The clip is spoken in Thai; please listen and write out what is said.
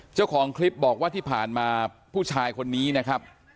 เจ้าของคลิปบอกว่าที่ผ่านมาผู้ชายคนนี้นะครับ